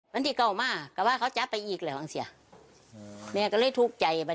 พอมีคนมาเขาจะเอาเงินเขาขึ้นจริงนะ